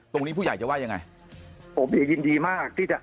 ตรงนี้ผู้ใหญ่จะว่ายังไงผมเดี๋ยวยินดีมากที่จะ